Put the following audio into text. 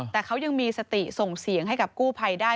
แต่เขายังมีสติส่งเสียงให้กับกู้ภัยได้